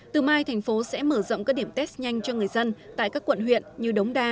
từ mai thành phố sẽ mở rộng các điểm test nhanh cho người dân tại các quận huyện như đống đa